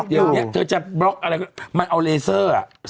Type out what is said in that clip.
อยู่เธอจะบร็อกอะไรมันเอาเลเซอร์อ่ะ